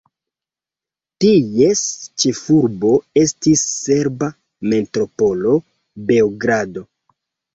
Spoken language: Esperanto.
Ties ĉefurbo estis serba metropolo Beogrado.